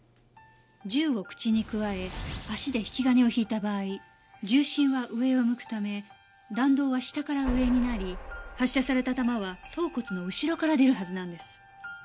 銃を口にくわえ足で引き金を引いた場合銃身は上を向くため弾道は下から上になり発射された弾は頭骨の後ろから出るはずなんです。